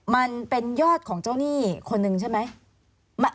มันเป็นยอดของเจ้าหนี้คนหนึ่งใช่ไหม